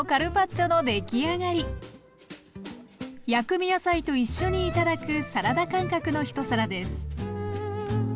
薬味野菜と一緒に頂くサラダ感覚の一皿です。